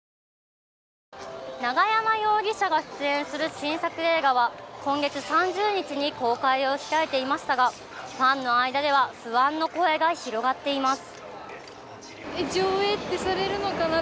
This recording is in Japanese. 永山容疑者が出演する新作映画は今月３０日に公開を控えていましたがファンの間では不安の声が広がっています。